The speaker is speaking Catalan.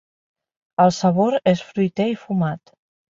El sabor és fruiter i fumat.